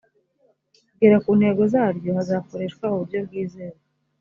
kugera ku ntego zaryo hazakoreshwa uburyo bwizewe